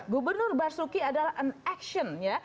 gubernur basuki adalah an action ya